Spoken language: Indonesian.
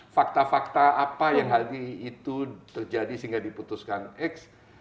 fakta fakta apa yang hari itu terjadi sehingga diputuskan x